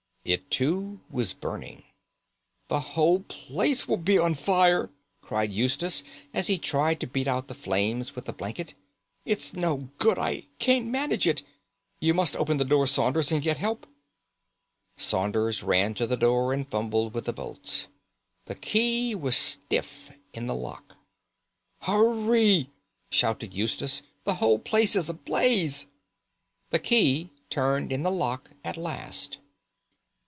It, too, was burning. "The whole place will be on fire!" cried Eustace, as he tried to beat out the flames with a blanket. "It's no good! I can't manage it. You must open the door, Saunders, and get help." Saunders ran to the door and fumbled with the bolts. The key was stiff in the lock. "Hurry!" shouted Eustace; "the whole place is ablaze!" The key turned in the lock at last.